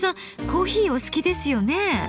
コーヒーお好きですよね。